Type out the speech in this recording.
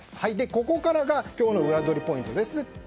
ここからが今日のウラどりポイントです。